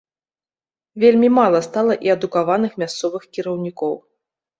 Вельмі мала стала і адукаваных мясцовых кіраўнікоў.